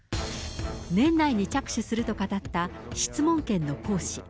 年内に着手すると語った、質問権の行使。